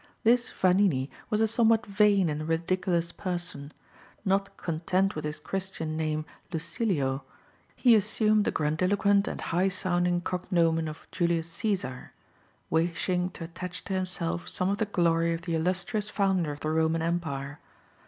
This Vanini was a somewhat vain and ridiculous person. Not content with his Christian name Lucilio, he assumed the grandiloquent and high sounding cognomen of Julius Caesar, wishing to attach to himself some of the glory of the illustrious founder of the Roman empire.